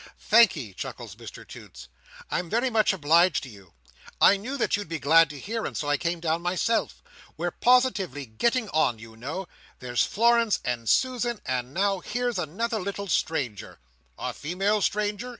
"Thank'ee," chuckles Mr Toots, "I'm very much obliged to you. I knew that you'd be glad to hear, and so I came down myself. We're positively getting on, you know. There's Florence, and Susan, and now here's another little stranger." "A female stranger?"